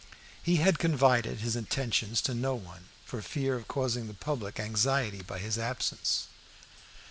He had confided his intentions to no one, for fear of causing the public anxiety by his absence.